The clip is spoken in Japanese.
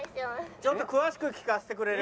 ちょっと詳しく聞かせてくれる？